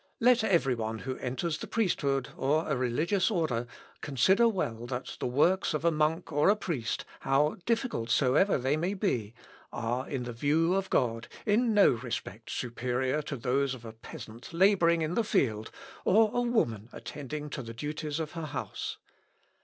Let every one who enters the priesthood, or a religious order, consider well that the works of a monk or a priest, how difficult soever they may be, are, in the view of God, in no respect superior to those of a peasant labouring in the field, or a woman attending to the duties of her house.